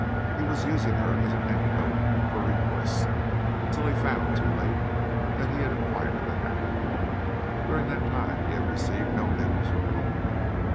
He was using her as an antidote for remorse, until he found, too late, that he had acquired the habit. During that time he had received no news from home.